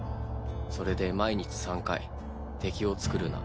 それで毎日３回「敵をつくるな。